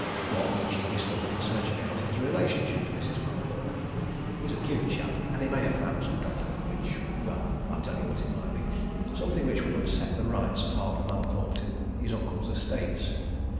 one which he discovered in searching out his relationship to Mrs. Mallathorpe. He's a cute chap and he may have found some document which well, I'll tell you what it might be something which would upset the rights of Harper Mallathorpe to his uncle's estates.